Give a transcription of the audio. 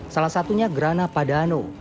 salah satunya grana padano